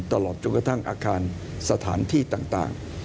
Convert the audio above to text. ตลอดจนกระทั่งอาคารสถานที่ต่าง